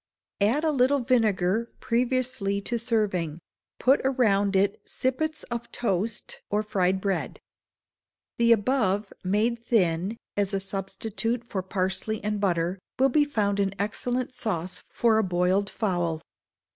Add a little vinegar previously to serving; put around it sippets of toast or fried bread. The above, made thin, as a substitute for parsley and butter, will be found an excellent sauce for a boiled fowl.